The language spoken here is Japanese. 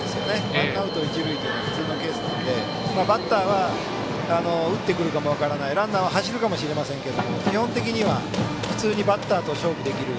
ワンアウト一塁というのは普通のケースなのでバッターは打ってくるかも分からないランナーは走るかもしれませんが基本的には普通にバッターと勝負できる。